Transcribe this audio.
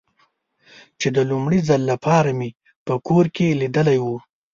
چې د لومړي ځل له پاره مې په کور کې لیدلی و.